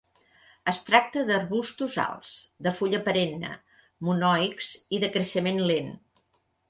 Es tracta de arbustos alts, de fulla perenne, monoics i de creixement lent.